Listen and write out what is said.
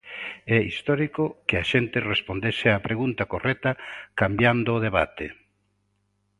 É histórico que a xente respondese á pregunta correcta cambiando o debate.